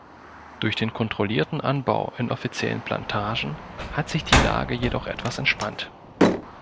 Durch den kontrollierten Anbau in offiziellen Plantagen hat sich die Lage jedoch etwas entspannt.